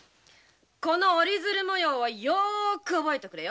この折鶴模様をよく覚えとくれ。